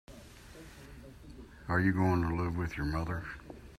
Are you going to live with your mother?